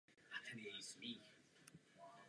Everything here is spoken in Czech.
Chtějí tam žít dále, ale je jim to ztěžováno.